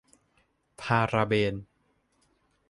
พาราเบน